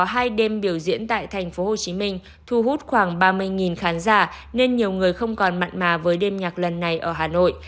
hai đêm biểu diễn tại tp hcm thu hút khoảng ba mươi khán giả nên nhiều người không còn mặn mà với đêm nhạc lần này ở hà nội